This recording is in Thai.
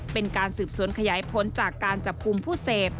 เป็นการสืบสวนขยายผลจากการจับกลุ่มผู้เสพ